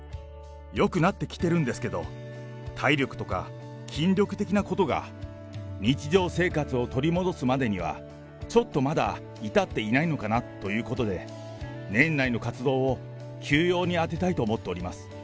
よくなってきてるんですけど、体力とか筋力的なことが、日常生活を取り戻すまでにはちょっとまだ至っていないのかなということで、年内の活動を休養にあてたいと思っております。